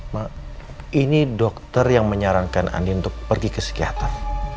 mak ini dokter yang menyarankan andi untuk pergi ke psikiater